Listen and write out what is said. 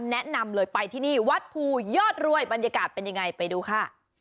แนะนำเลยไปที่นี่วัดภูยอดรวยบรรยากาศเป็นยังไงไปดูค่ะ